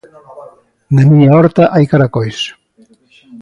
Na miña horta hai caracois.